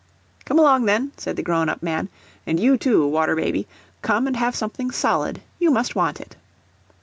"Come along, then," said the grown up man; "and you too, Water baby; come and have something solid. You must want it."